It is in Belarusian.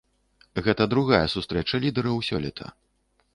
Гэта другая сустрэча лідэраў сёлета.